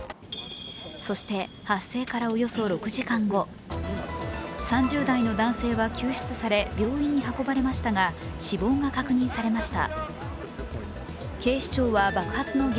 そして発生からおよそ６時間後、３０代の男性は救出され病院に運ばれましたが死亡が確認されました。